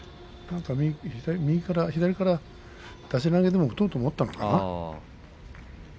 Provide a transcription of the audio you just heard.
左から出し投げでも打とうとしたのかな。